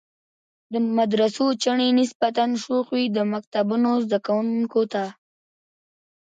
د مدرسو چڼې نسبتاً شوخ وي، د مکتبونو زده کوونکو ته.